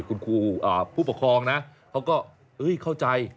คุณครูผู้ปกครองนะเขาก็เข้าใจ